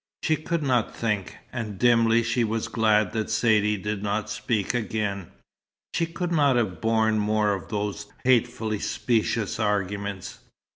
She could not think, and dimly she was glad that Saidee did not speak again. She could not have borne more of those hatefully specious arguments.